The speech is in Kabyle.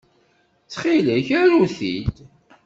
Ttxil-k, aru-t-id.